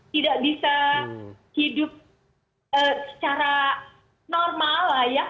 tidak bisa hidup secara normal lah ya